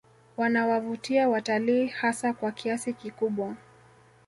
Wanawavutia watalii hasa kwa kiasi kikubwa